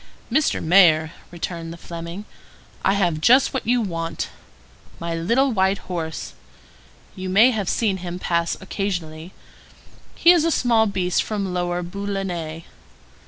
"Mr. Mayor," returned the Fleming, "I have just what you want. My little white horse—you may have seen him pass occasionally; he is a small beast from Lower Boulonnais.